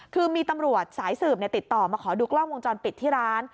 คือมีตำรวจสายสืบติดต่อมาขอดูกล้องวงจรปิดที่ร้าน